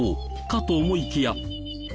かと思いきや。